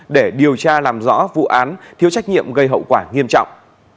để điều tra làm rõ vụ án thiếu trách nhiệm gây hậu quả nghiêm trọng